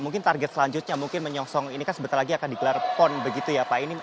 mungkin target selanjutnya mungkin menyongsong ini kan sebentar lagi akan digelar pon begitu ya pak